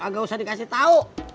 gak usah dikasih tau